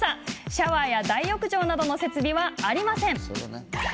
シャワーや大浴場などの設備はありません。